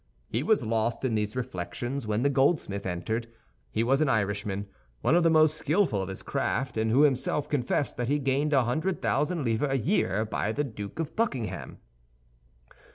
He was lost in these reflections when the goldsmith entered. He was an Irishman—one of the most skillful of his craft, and who himself confessed that he gained a hundred thousand livres a year by the Duke of Buckingham.